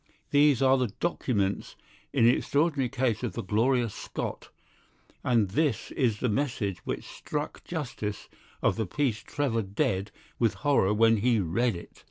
These are the documents in the extraordinary case of the Gloria Scott, and this is the message which struck Justice of the Peace Trevor dead with horror when he read it."